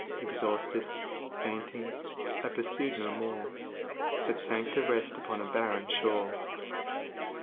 Exhausted, fainting, I pursued no more, But sank to rest upon a barren shore.